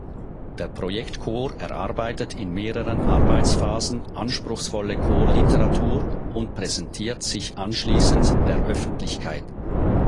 Der Projektchor erarbeitet in mehreren Arbeitsphasen anspruchsvolle Chorliteratur und präsentiert sich anschließend der Öffentlichkeit.